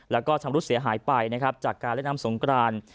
แล้วก็ชำรุดเสียหายไปนะครับจากการเล่นน้ำสงกราน